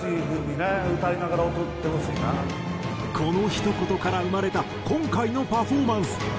このひと言から生まれた今回のパフォーマンス。